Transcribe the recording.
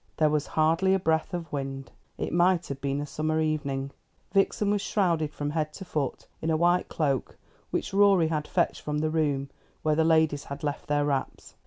There was hardly a breath of wind. It might have been a summer evening. Vixen was shrouded from head to foot in a white cloak which Rorie had fetched from the room where the ladies had left their wraps.